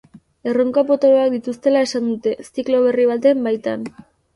Erronka potoloak dituztela esan dute, ziklo berri baten baitan.